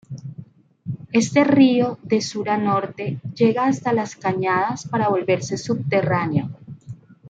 Este río, de sur a norte, llega hasta Las Cañadas, para volverse subterráneo.